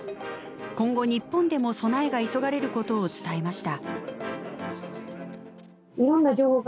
今後日本でも備えが急がれることを伝えました。